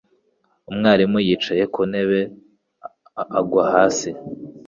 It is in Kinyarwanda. Umwarimu yicaye ku ntebe agwa hasi